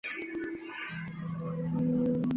短鞭亚热溪蟹为溪蟹科亚热溪蟹属的动物。